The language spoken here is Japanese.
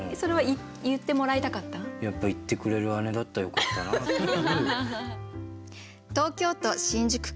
やっぱ言ってくれる姉だったらよかったなっていう。